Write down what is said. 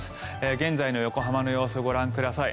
現在の横浜の様子をご覧ください。